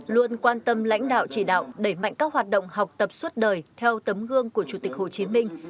luôn quan tâm lãnh đạo chỉ đạo đẩy mạnh các hoạt động học tập suốt đời theo tấm gương của chủ tịch hồ chí minh